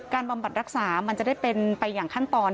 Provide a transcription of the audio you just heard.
บำบัดรักษามันจะได้เป็นไปอย่างขั้นตอน